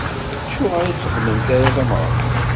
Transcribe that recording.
Acuɣer ur txeddmemt ara tameɣra?